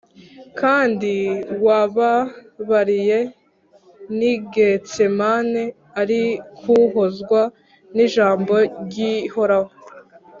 Kandi wababariye n'i Getsemane, Arik' uhozwa n'ijambo ry'Ihoraho.